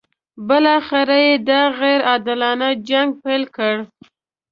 بالاخره یې دا غیر عادلانه جنګ پیل کړ.